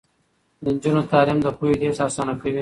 د نجونو تعلیم د پوهې لیږد اسانه کوي.